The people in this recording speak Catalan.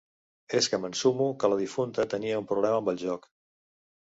És que m'ensumo que la difunta tenia un problema amb el joc.